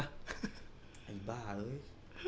ไอ้บ้าเอ้ย